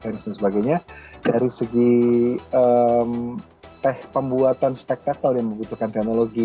dari segi pembuatan spektakle yang membutuhkan teknologi